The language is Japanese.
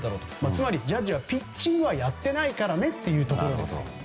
つまりジャッジはピッチングはやっていないからねということです。